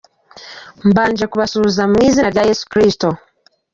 "Mbanje kubasuhuza mu izina rya Yesu Kristo.